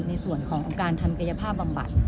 ในส่วนของการทำกายภาพบำบัด